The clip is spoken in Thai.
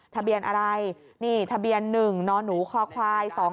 ทะเบียนอะไรทะเบียน๑๒๒๙๐ค่ะ